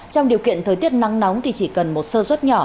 trong điều kiện thời tiết nắng nóng thì chỉ cần một sơ suất nhỏ